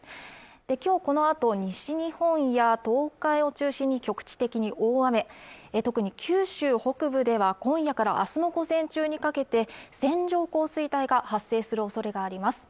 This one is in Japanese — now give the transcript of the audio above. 今日このあと西日本や東海を中心に局地的に大雨特に九州北部では今夜からあすの午前中にかけて線状降水帯が発生するおそれがあります